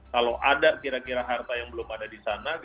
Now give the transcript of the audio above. kalau ada kira kira harta yang belum ada di sana